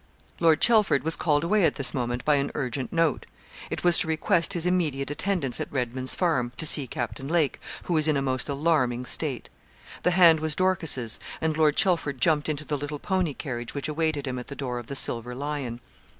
Lord Chelford was called away at this moment by an urgent note. It was to request his immediate attendance at Redman's Farm, to see Captain Lake, who was in a most alarming state. The hand was Dorcas's and Lord Chelford jumped into the little pony carriage which awaited him at the door of the 'Silver Lion.'